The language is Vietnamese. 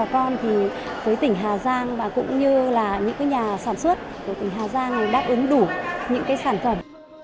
bà con thì với tỉnh hà giang và cũng như là những nhà sản xuất của tỉnh hà giang thì đáp ứng đủ những sản phẩm